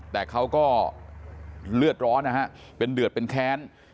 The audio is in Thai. แต่เขาก็เลือดร้อนนะฮะเป็นเดือดเป็นแค้น